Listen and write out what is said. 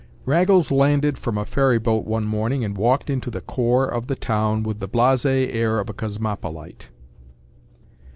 Raggles landed from a ferry boat one morning and walked into the core of the town with the blasé air of a cosmopolite.